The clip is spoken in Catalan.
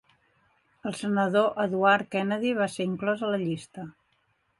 El senador Edward Kennedy va ser inclòs a la llista.